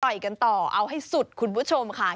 กันต่อเอาให้สุดคุณผู้ชมค่ะ